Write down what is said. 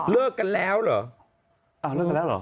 เลิกกันแล้วเหรอ